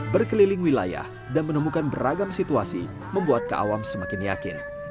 berkeliling wilayah dan menemukan beragam situasi membuat keawam semakin yakin